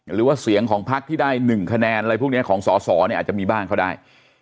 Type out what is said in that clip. หรือว่าเสียงของพักที่ได้๑คะแนนอะไรพวกนี้ของสอสอเนี่ยอาจจะมีบ้านเขาได้